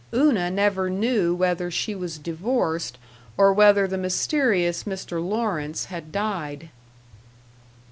Una never knew whether she was divorced, or whether the mysterious Mr. Lawrence had died.